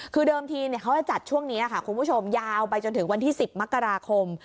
คือเดิมทีเขาจะจัดช่วงนี้ค่ะคุณผู้ชมยาวไปจนถึงวันที่๑๐มกราคม